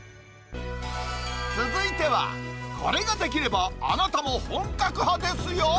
続いては、これができればあなたも本格派ですよ。